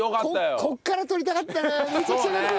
ここから撮りたかったな。